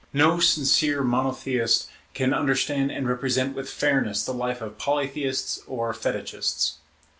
No sincere Monotheist can understand and represent with fairness the life of Polytheists or Fetichists.